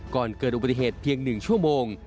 ก่อนเกิดอุบัติเหตุเพียง๑ชั่วโมง